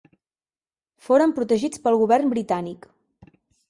Foren protegits pel govern britànic.